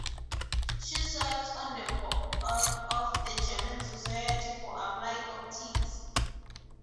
She serves on the board of the German Society for Applied Optics.